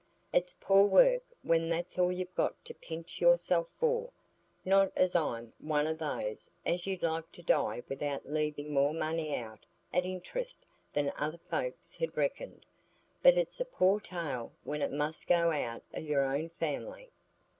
It's poor work when that's all you've got to pinch yourself for. Not as I'm one o' those as 'ud like to die without leaving more money out at interest than other folks had reckoned; but it's a poor tale when it must go out o' your own family."